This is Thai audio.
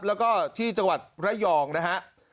แล้วก็ที่จังหวัดระยองนะฮะ